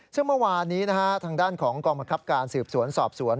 ซึ่งเมื่อวานนี้ทางด้านของกองบังคับการสืบสวนสอบสวน